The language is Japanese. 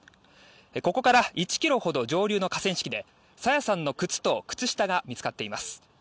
ここから１ｋｍほど上流の河川敷で朝芽さんの靴と靴下が見つかっています。